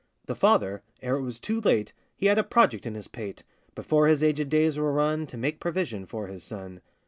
The father, ere it was too late, He had a project in his pate, Before his agèd days were run, To make provision for his son.